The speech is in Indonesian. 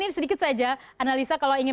ini sedikit saja analisa kalau ingin